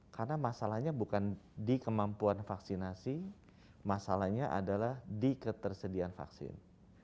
karena masalahnya bukan di kemampuan vaksinasi masalahnya adalah di ketersediaan vaksin